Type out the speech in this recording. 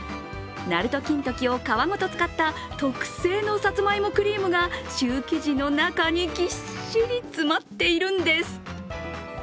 なると金時を皮ごと使った特製のさつまいもクリームがシュー生地の中にぎっしり詰まっているんです。